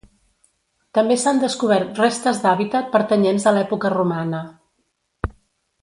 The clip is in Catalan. També s'han descobert restes d'hàbitat pertanyents a l'època romana.